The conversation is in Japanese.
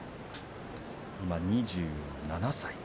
今２７歳。